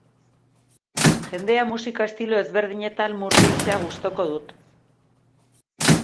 Jendea musika estilo ezberdinetan murgiltzea gustoko dut.